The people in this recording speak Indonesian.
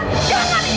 jangan buka anakmu